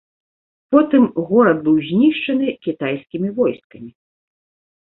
Потым горад быў знішчаны кітайскімі войскамі.